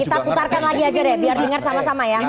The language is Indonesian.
kita putarkan lagi aja deh biar dengar sama sama ya